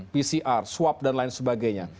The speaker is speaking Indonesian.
pcr swab dan lain sebagainya